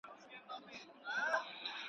سره ورغلې دوې روي، سره وې کښلې يوو د بل گروي.